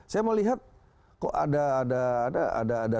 saya mau lihat kok ada